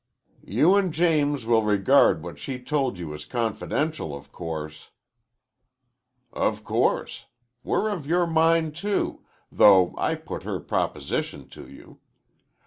"You an' James will regard what she told you as confidential, of course." "Of course. We're of your mind, too, though I put her proposition to you.